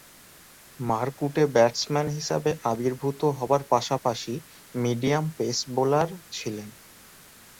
মারকুটে batsman হিসেবে আবির্ভূত হবার পাশাপাশি মিডিয়াম পেস বোলার ছিলেন।